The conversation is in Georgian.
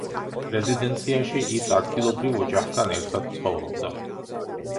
რეზიდენციაში ის ადგილობრივ ოჯახთან ერთად ცხოვრობდა.